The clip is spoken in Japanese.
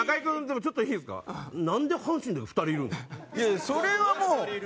いやそれはもう。